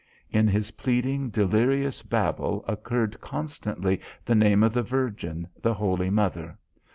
In his pleading, delirious babble occurred constantly the name of the Virgin, the Holy Mother.